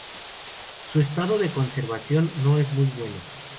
Su estado de conservación no es muy bueno.